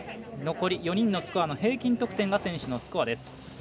残り４人のスコアの平均得点が選手のスコアです。